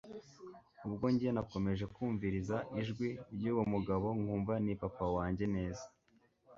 ubwo njye nakomeje kumviriza ijwi ryuwo mugabo nkumva ni papa wanjye neza